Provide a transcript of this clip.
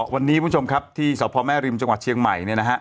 วันนี้ที่สพแม่ริมจังหวัดเชียงใหม่